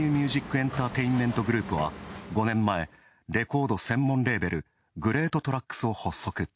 エンターテイメントグループは５年前、レコード専門レーベルグレート・トラックスを発足。